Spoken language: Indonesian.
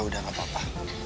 udah gak apa apa